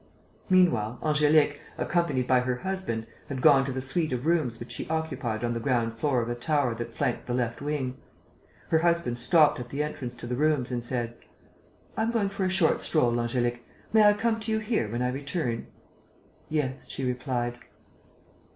Meanwhile, Angélique, accompanied by her husband, had gone to the suite of rooms which she occupied on the ground floor of a tower that flanked the left wing. Her husband stopped at the entrance to the rooms and said: "I am going for a short stroll, Angélique. May I come to you here, when I return?" "Yes," she replied.